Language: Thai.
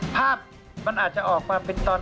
ภาพมันอาจจะออกมาเป็นตอน